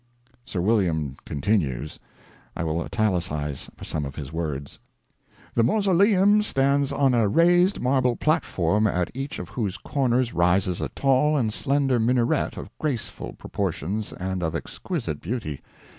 Sir William continues. I will italicize some of his words: "The mausoleum stands on a raised marble platform at each of whose corners rises a tall and slender minaret of graceful proportions and of exquisite beauty.